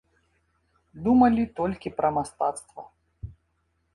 Думалі толькі пра мастацтва.